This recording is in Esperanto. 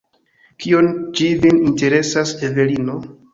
Kion ĝi vin interesas, Evelino?